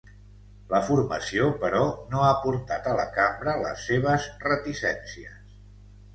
La formació, però, no ha portat a la cambra les seves reticències.